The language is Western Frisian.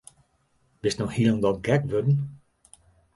Bist no hielendal gek wurden?